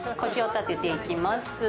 腰を立てていきます。